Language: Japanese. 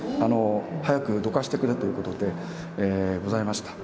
早くどかしてくれということでございました。